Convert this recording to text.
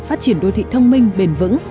phát triển đô thị thông minh bền vững